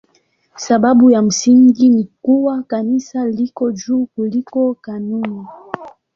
Sababu ya msingi ni kuwa Kanisa liko juu kuliko kanuni.